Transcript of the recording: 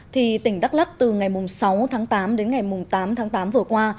thì tỉnh đắk lắc từ ngày sáu tháng tám đến ngày tám tháng tám vừa qua